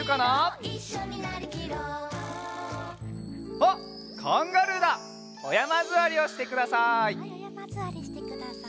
おやまずわりをしてください。